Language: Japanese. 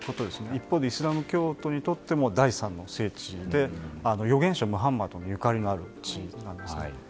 一方でイスラム教徒にとっても第３の地で予言者ムハンマドともゆかりのある聖地なんですね。